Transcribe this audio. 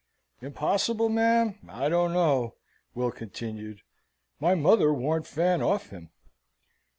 "Impossible, ma'am! I don't know," Will continued. "My mother warned Fan off him."